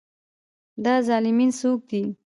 دا طالېمن څوک دی.